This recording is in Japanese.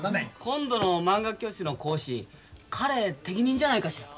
今度のまんが教室の講師彼適任じゃないかしら。